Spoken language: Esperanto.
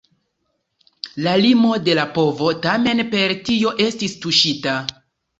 La limo de la povo tamen per tio estis tuŝita.